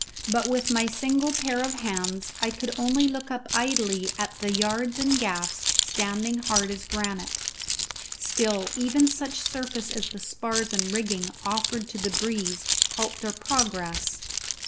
But with my single pair of hands I could only look up idly at the yards and gaffs standing hard as granite. Still, even such surface as the spars and rigging offered to the breeze helped our progress.